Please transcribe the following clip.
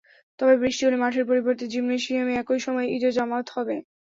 তবে বৃষ্টি হলে মাঠের পরিবর্তে জিমনেসিয়ামে একই সময় ঈদের জামাত হবে।